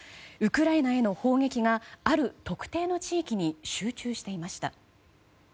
ウクライナへの砲撃がある特定の地域に集中していました。